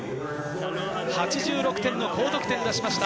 ８６点の高得点を出しました。